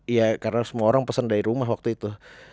iya karena semua orang pesen dari rumah waktu itu